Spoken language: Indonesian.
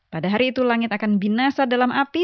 pada hari itu langit akan binasa dalam api